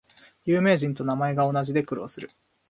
有名人と名前が同じで苦労する